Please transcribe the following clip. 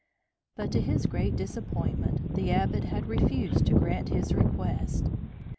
But, to his great disappointment, the Abbot had refused to grant his request.